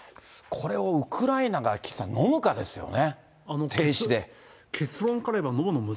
これをウクライナが岸さん、飲むかですよね。